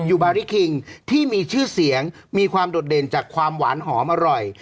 บาริคิงที่มีชื่อเสียงมีความโดดเด่นจากความหวานหอมอร่อย